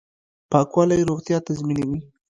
پاکوالی روغتیا تضمینوي